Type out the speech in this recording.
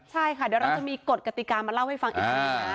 ใช่ค่ะเดี๋ยวเราจะมีกฎกติกามาเล่าให้ฟังอีกทีนะ